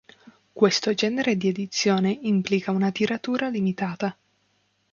Questo genere di edizione implica un tiratura limitata.